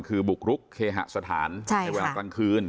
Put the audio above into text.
คือบุกรุกเคหสถานในเวลากลางคืน